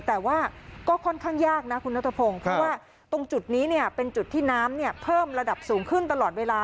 แต่ว่าก็ค่อนข้างยากนะคุณนัทพงศ์เพราะว่าตรงจุดนี้เนี่ยเป็นจุดที่น้ำเพิ่มระดับสูงขึ้นตลอดเวลา